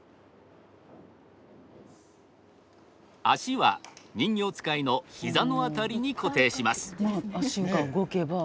足は人形遣いの膝の辺りに固定します。